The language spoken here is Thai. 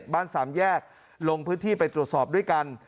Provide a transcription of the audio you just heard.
สามแยกลงพื้นที่ไปตรวจสอบด้วยกัน